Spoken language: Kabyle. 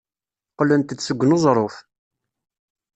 Qqlent-d seg uneẓruf.